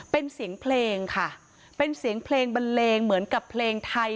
เป็นเสียงเพลงค่ะเป็นเสียงเพลงบันเลงเหมือนกับเพลงไทย